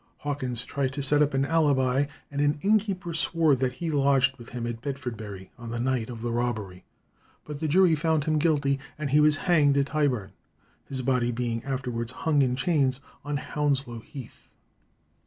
Hawkins tried to set up an alibi, and an innkeeper swore that he lodged with him at Bedfordbury on the night of the robbery; but the jury found him guilty, and he was hanged at Tyburn, his body being afterwards hung in chains on Hounslow Heath.